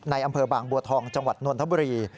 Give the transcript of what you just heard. อำเภอบางบัวทองจังหวัดนนทบุรี